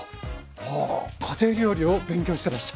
あ家庭料理を勉強してらっしゃる。